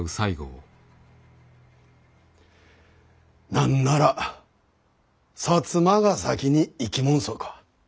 何なら摩が先に行きもんそか。